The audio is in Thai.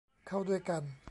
เข้าด้วยกัน